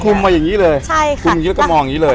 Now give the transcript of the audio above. คือคุมมาอย่างงี้เลยใช่ค่ะคุมอย่างงี้แล้วก็มองอย่างงี้เลย